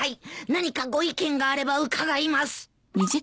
何かご意見があれば伺います。